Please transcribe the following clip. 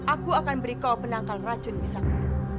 aku akan beri kau penangkal racun pisangku